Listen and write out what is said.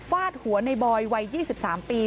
วาดหัวในบอยวัย๒๓ปี